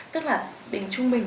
tức là bình trung bình